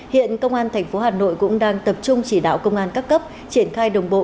hiện công an tp hà nội cũng đang tập trung chỉ đạo công an các cấp triển khai đồng bộ